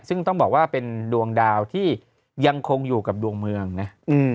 ซึ่งต้องบอกว่าเป็นดวงดาวที่ยังคงอยู่กับดวงเมืองนะ